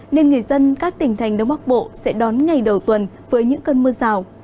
nên người dân các tỉnh thành đông bắc bộ sẽ đón ngày đầu tuần với những cơn mưa rào